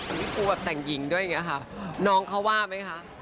พี่ปูแบบแต่งหญิงด้วยเนี่ยค่ะน้องเค้าว่าไหมค่ะ